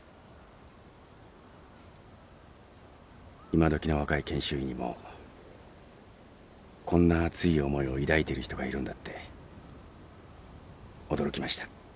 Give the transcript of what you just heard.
今どきの若い研修医にもこんな熱い思いを抱いてる人がいるんだって驚きました。